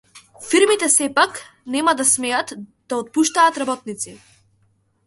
Фирмите сепак нема да смеат да отпуштаат работници